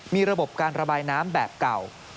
มีระบบการระบายน้ำแบบเก่า